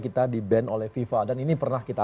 kita di ban oleh fifa dan ini pernah kita